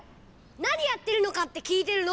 なにやってるのかってきいてるの！